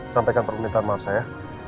sampaikan permintaan maaf saya